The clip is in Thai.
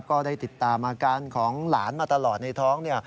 ก็ได้ติดตามอาการของหลานมาตลอดในท้อง